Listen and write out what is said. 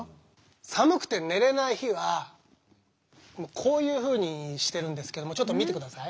寒くて寝れない日はこういうふうにしてるんですけどもちょっと見てください。